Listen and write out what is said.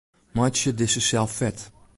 Meitsje dizze sel fet.